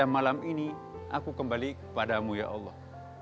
malam ini aku kembali kepadamu ya allah